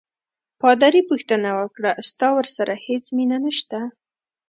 پادري پوښتنه وکړه: ستا ورسره هیڅ مینه نشته؟